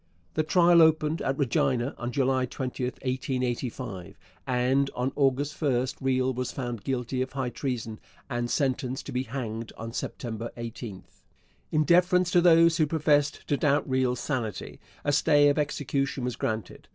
The trial opened at Regina on July 20, 1885, and on August 1 Riel was found guilty of high treason and sentenced to be hanged on September 18. In deference to those who professed to doubt Riel's sanity, a stay of execution was granted.